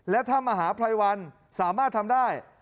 และถ้ามหาภัยวันสามารถทำได้